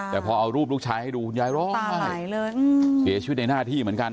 แต่พอเอารูปลูกชายให้ดูคุณยายร้องเสียชีวิตในหน้าที่เหมือนกัน